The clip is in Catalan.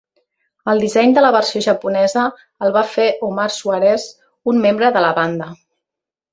El disseny de la versió japonesa el va fer Omar Swarez, un membre de la banda.